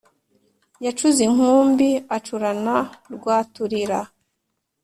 yacuze inkumbi acurana rwaturira,